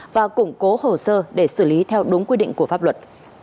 và củng cố hồ sơ để xử lý theo đúng quy định của pháp luật